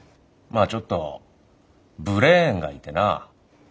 まあちょっとブレーンがいてな。